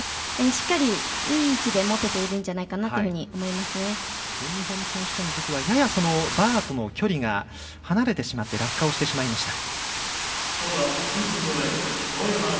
しっかりいい位置で持てているんじゃないかと全日本選手権のときはややバーとの距離が離れてしまって落下をしてしまいました。